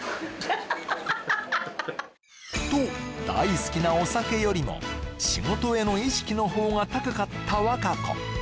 ハッハッハと大好きなお酒よりも仕事への意識の方が高かった和歌子